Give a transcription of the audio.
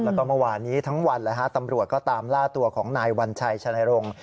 แล้วก็เมื่อวานนี้ทั้งวันตำรวจก็ตามล่าตัวของนายวัญชัยชนรงค์